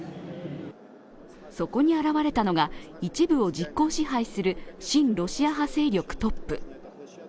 そこに現れたのが、一部を実効支配する親ロシア派勢力トップ。